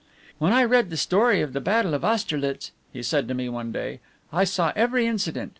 "When I read the story of the battle of Austerlitz," said he to me one day, "I saw every incident.